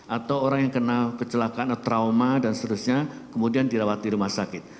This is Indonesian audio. atau orang yang kena kecelakaan atau trauma dan seterusnya kemudian dirawat di rumah sakit